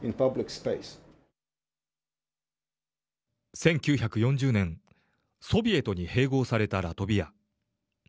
１９４０年ソビエトに併合されたラトビア。